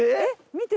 見て！